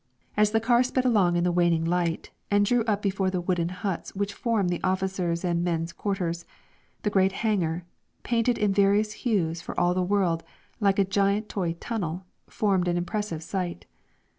As the car sped along in the waning light and drew up before the wooden huts which form the officers' and men's quarters, the great hangar, painted in varied hues for all the world like a giant toy tunnel, formed an impressive sight.